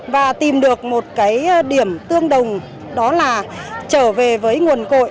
và tìm được một cái điểm tương đồng đó là trở về với nguồn cội